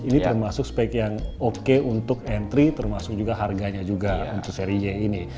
ini termasuk spek yang oke untuk entry termasuk juga harganya juga untuk seri y ini